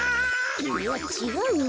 いやちがうな。